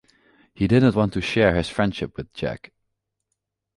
He didn't want to share his friendship with Jack.